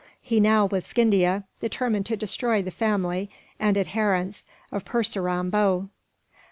He now, with Scindia, determined to destroy the family and adherents of Purseram Bhow.